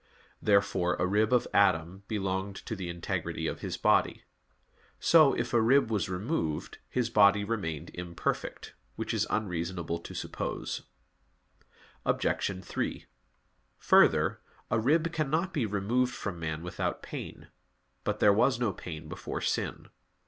Therefore a rib of Adam belonged to the integrity of his body. So, if a rib was removed, his body remained imperfect; which is unreasonable to suppose. Obj. 3: Further, a rib cannot be removed from man without pain. But there was no pain before sin.